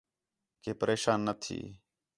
کہ پریشان نہ تھی